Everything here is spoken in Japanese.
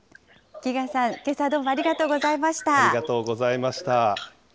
キーガンさん、けさはどうもありがとうございました。